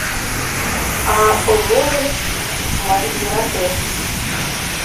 А Овойым... мый йӧратем...